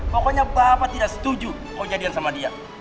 pokoknya bapak tidak setuju kau jadikan sama dia